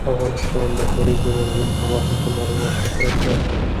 افغانستان د د کلیزو منظره په برخه کې نړیوال شهرت لري.